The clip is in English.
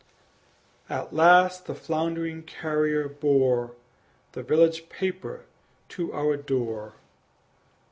At last the floundering carrier bore The village paper to our door.